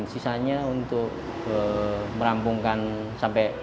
empat puluh delapan jam sisanya untuk merampungkan sampai seratus